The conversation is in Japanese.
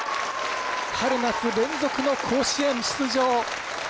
春夏連続の甲子園出場。